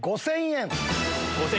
５０００円。